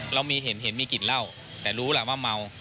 เรามีเห็นมีกลิ่นเหล้าแต่รู้ล่ะว่าเมา